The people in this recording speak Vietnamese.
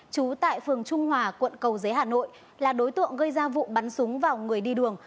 trú tại phường trung hòa quận cầu giấy hà nội là đối tượng gây ra vụ bắn súng vào người đi đường